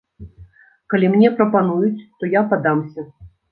Калі мне прапануюць, то я падамся!